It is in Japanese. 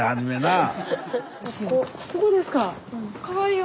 ここですか。